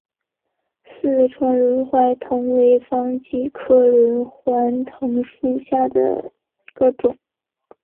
四川轮环藤为防己科轮环藤属下的一个种。